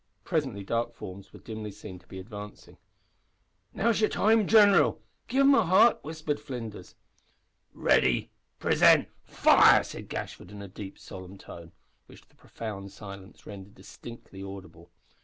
Presently dark forms were dimly seen to be advancing. "Now's your time, gineral! Give it 'em hot," whispered Flinders. "Ready! Present! Fire!" said Gashford, in a deep, solemn tone, which the profound silence rendered distinctly audible.